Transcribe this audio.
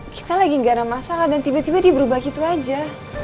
kita lagi gak ada masalah dan tiba tiba dia berubah gitu aja